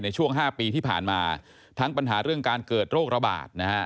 ในช่วง๕ปีที่ผ่านมาทั้งปัญหาเรื่องการเกิดโรคระบาดนะฮะ